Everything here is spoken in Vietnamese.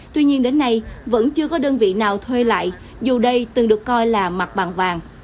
tuy nhiên đến nay vẫn chưa có đơn vị nào thuê lại dù đây từng được coi là mặt bằng vàng